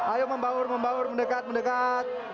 ayo membaur membaur mendekat mendekat